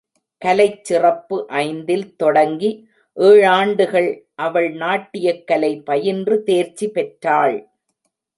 கலைச் சிறப்பு ஐந்தில் தொடங்கி ஏழாண்டுகள் அவள் நாட்டியக் கலை பயின்று தேர்ச்சி பெற்றாள்.